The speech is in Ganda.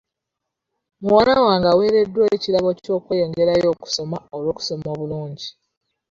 Muwala wange aweereddwa ekirabo ky'okweyongerayo okusoma olw'okusoma obulungi.